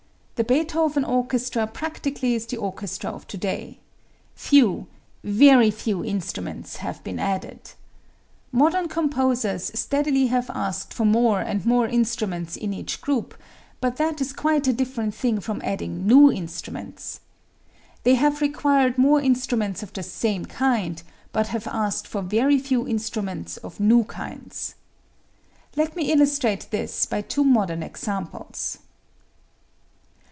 The Beethoven orchestra practically is the orchestra of to day. Few, very few, instruments have been added. Modern composers steadily have asked for more and more instruments in each group; but that is quite a different thing from adding new instruments. They have required more instruments of the same kind, but have asked for very few instruments of new kinds. Let me illustrate this by two modern examples.